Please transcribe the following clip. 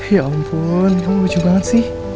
ya ampun lucu banget sih